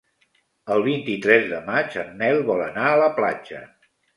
El vint-i-tres de maig en Nel vol anar a la platja.